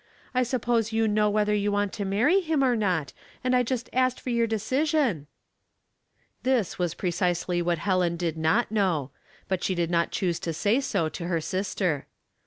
I suppose you know whether you want to marry him or not, and I just asked for your decision." This was precisely what Helen did not know, but she did not choose to say so to her sister.